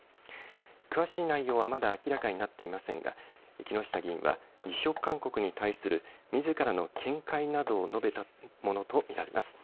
詳しい内容はまだ明らかになっていませんが木下議員は辞職勧告に対するみずからの見解などを述べたものと見られます。